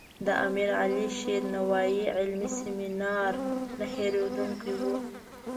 د امیر علي شیر نوایي علمي سیمینار نه هیریدونکی و.